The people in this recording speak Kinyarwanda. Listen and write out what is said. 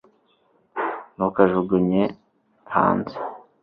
ntukajugunye hanze